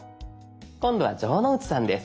今度は城之内さんです。